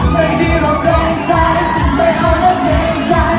ไม่มีหลักเตรียมใจไม่เอาหลักเตรียมใจ